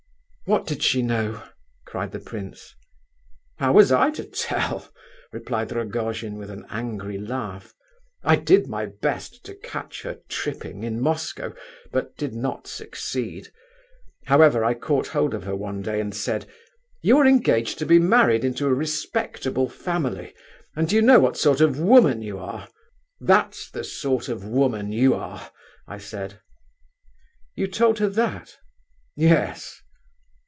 '" "What did she know?" cried the prince. "How was I to tell?" replied Rogojin, with an angry laugh. "I did my best to catch her tripping in Moscow, but did not succeed. However, I caught hold of her one day, and said: 'You are engaged to be married into a respectable family, and do you know what sort of a woman you are? That's the sort of woman you are,' I said." "You told her that?" "Yes."